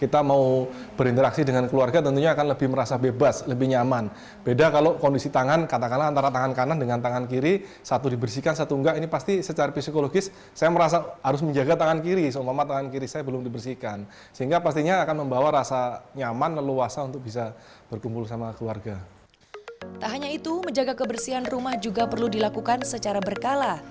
tidak hanya itu menjaga kebersihan rumah juga perlu dilakukan secara berkala